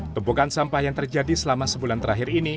tumpukan sampah yang terjadi selama sebulan terakhir ini